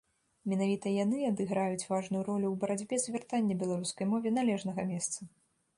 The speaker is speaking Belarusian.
Менавіта яны адыграюць важную ролю ў барацьбе за вяртанне беларускай мове належнага месца.